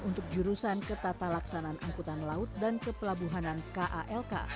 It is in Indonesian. untuk jurusan ketata laksanaan angkutan laut dan kepelabuhanan kalk